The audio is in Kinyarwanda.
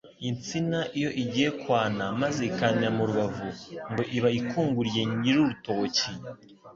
Insina iyo igiye kwana maze ikanira mu rubavu, ngo iba ikunguriye nyirurutoki